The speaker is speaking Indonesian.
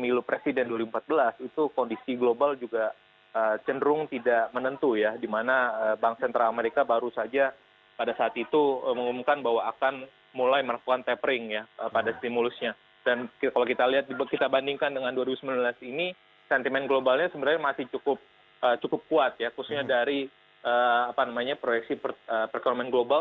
ini akan mempengaruhi nilai tukar kita terhadap greenback